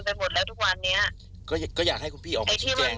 ไอ้ที่มันวุ่นวายไอ้ที่มีปัญหาก็เพราะพวกคุณนี่แหละพวกนักข่าวนี่แหละ